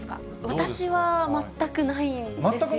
私は、全くないんですよ。